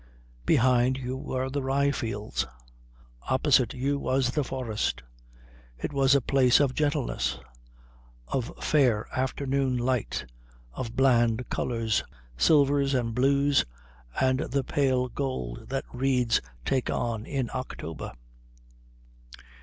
Behind you were the rye fields. Opposite you was the forest. It was a place of gentleness, of fair afternoon light, of bland colours silvers, and blues, and the pale gold that reeds take on in October.